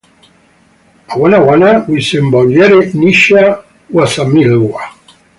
Aw'a wana w'isebonyere nicha w'azamilwa.